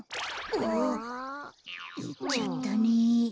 あっ。いっちゃったね。